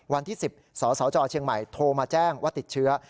วันที่๑๐สสจเชียงใหม่โทรมาแจ้งว่าติดเชื้อ